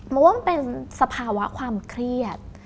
ว่ามันเป็นสภาวะความเครียด